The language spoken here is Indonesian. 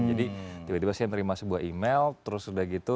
jadi tiba tiba saya menerima sebuah email terus sudah gitu